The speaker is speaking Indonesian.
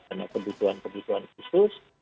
karena kebutuhan kebutuhan khusus